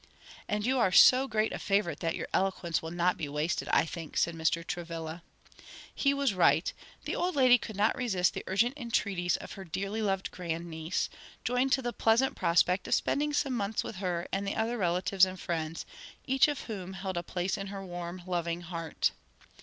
"And you are so great a favorite that your eloquence will not be wasted, I think," said Mr. Travilla. He was right; the old lady could not resist the urgent entreaties of her dearly loved grand niece, joined to the pleasant prospect of spending some months with her and the other relatives and friends, each of whom held a place in her warm, loving heart.